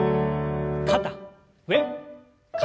肩上肩下。